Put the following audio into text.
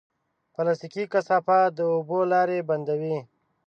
پلاستيکي کثافات د اوبو لارې بندوي.